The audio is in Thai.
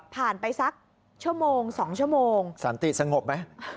ไปสักชั่วโมง๒ชั่วโมงสันติสงบไหม